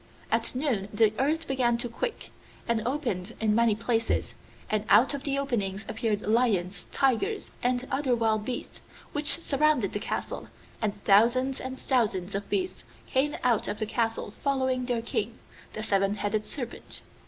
At noon the earth began to quake, and opened in many places, and out of the openings appeared lions, tigers, and other wild beasts, which surrounded the castle, and thousands and thousands of beasts came out of the castle following their king, the Seven headed Serpent.